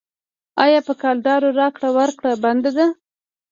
آیا په کلدارو راکړه ورکړه بنده ده؟